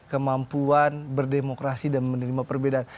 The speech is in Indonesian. kemampuan berdemokrasi dan menerima perbedaan